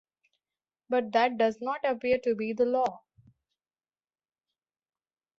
But that does not appear to be the law.